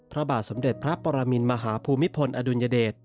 พระบาทสมเด็จพระปรมินมหาภูมิพลอดุลยเดช